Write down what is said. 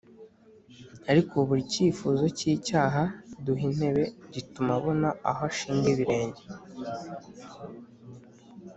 Ariko buri cyifuzo cy’icyaha duha intebe gituma abona aho ashinga ibirenge